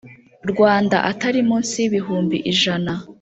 Rwanda atari munsi y ibihumbi ijana